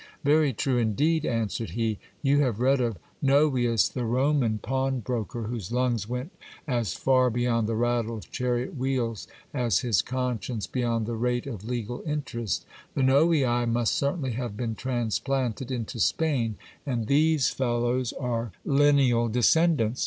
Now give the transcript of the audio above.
Very true indeed, answered he : you have read of Xovius, the Roman pawnbroker, whose lungs went as far beyond the rattle of chariot wheels, as his conscience beyond the rate of legal interest ; the Xovii must certainly have been transplanted into Spain, and these fellows are lineal descendants.